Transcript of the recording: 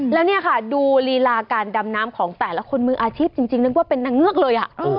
แล้วเนี่ยค่ะดูลีลาการดำน้ำของแต่ละคนมืออาชีพจริงนึกว่าเป็นนางเงือกเลย